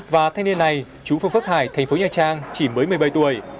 và thanh niên này chú phương phước hải thành phố nhà trang chỉ mới một mươi bảy tuổi